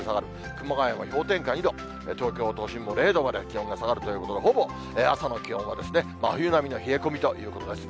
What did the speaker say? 熊谷も氷点下２度、東京都心も０度まで気温が下がるということで、ほぼ朝の気温は真冬並みの冷え込みということです。